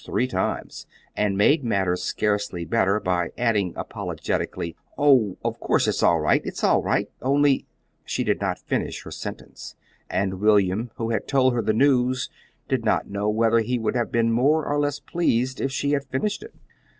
three times, and made matters scarcely better by adding apologetically: "Oh, of course it's all right, it's all right, only " She did not finish her sentence, and William, who had told her the news, did not know whether he would have been more or less pleased if she had finished it.